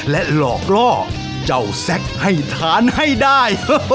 และหลอกล่อเจ้าแซ็กให้ทานให้ได้